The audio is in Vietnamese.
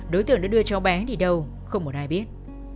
đối tượng đã đưa cháu bé đi đâu không một ai biết